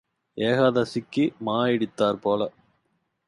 ஏகாதசிக்கு மா இடித்தாற் போல.